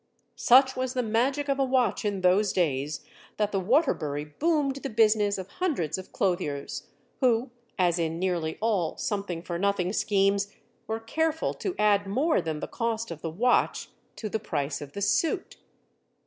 Such was the magic of a watch in those days that the Waterbury boomed the business of hundreds of clothiers, who, as in nearly all something for nothing schemes, were careful to add more than the cost of the watch to the price of the suit.